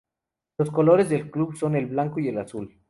Los colores del club son el blanco y el azul.